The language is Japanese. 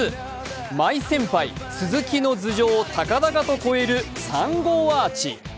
マイ先輩・鈴木の頭上を高々と超える３号アーチ。